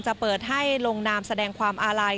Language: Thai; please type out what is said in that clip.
เปิดให้ลงนามแสดงความอาลัย